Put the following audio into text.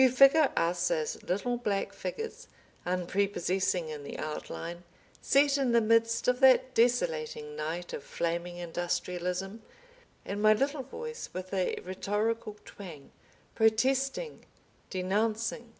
You figure us as little black figures, unprepossessing in the outline, set in the midst of that desolating night of flaming industrialism, and my little voice with a rhetorical twang protesting, denouncing.